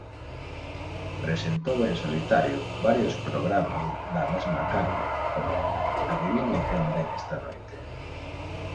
Presentou en solitario varios programas da mesma canle como "Adiviña quen ven esta noite".